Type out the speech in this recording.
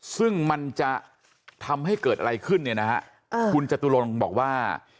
ซึ่งมันจะทำให้เกิดอะไรขึ้นคุณจตุลงบอกว่า